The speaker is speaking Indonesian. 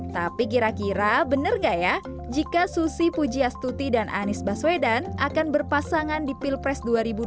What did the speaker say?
tapi kira kira benar nggak ya jika susi pujiastuti dan anies baswedan akan berpasangan di pilpres dua ribu dua puluh